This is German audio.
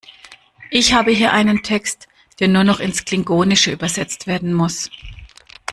Ich habe hier einen Text, der nur noch ins Klingonische übersetzt werden muss.